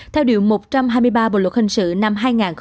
theo điều một trăm hai mươi ba bộ luật hình sự năm hai nghìn một mươi năm